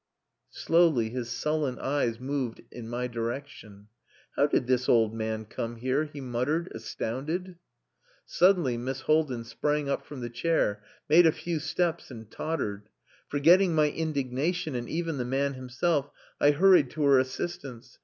Slowly his sullen eyes moved in my direction. "How did this old man come here?" he muttered, astounded. Suddenly Miss Haldin sprang up from the chair, made a few steps, and tottered. Forgetting my indignation, and even the man himself, I hurried to her assistance.